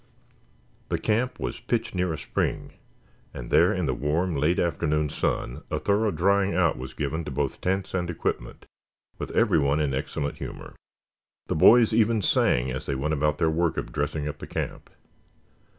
The camp was pitched near a spring and there in the warm late afternoon sun a thorough drying out was given to both tents and equipment, with everyone in excellent humor. The boys even sang as they went about their work of dressing up the camp.